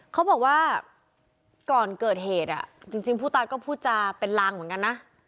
เขาบอกว่าก่อนเกิดเหตุจริงผู้ตายก็พูดจาเป็นลางเหมือนกันนะ